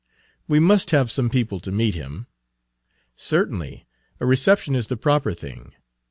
"We must have some people to meet him." "Certainly; a reception is the proper thing.